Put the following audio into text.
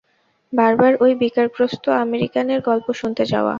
বারবার ঐ বিকারগ্রস্ত আমেরিকানের গল্প শুনতে যাওয়া।